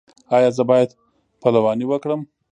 ایا زه باید پلوانی وکړم؟